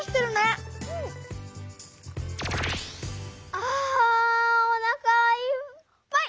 あおなかいっぱい！